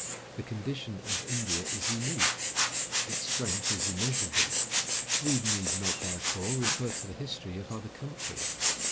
The condition of India is unique. Its strength is immeasurable. We need not, therefore, refer to the history of other countries.